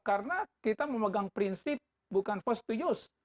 karena kita memegang prinsip bukan first to use